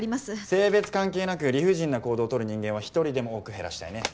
性別関係なく理不尽な行動をとる人間は一人でも多く減らしたいね。